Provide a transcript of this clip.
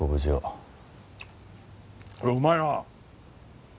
これうまいな！